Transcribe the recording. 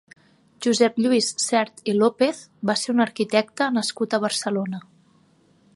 Josep Lluís Sert i López va ser un arquitecte nascut a Barcelona.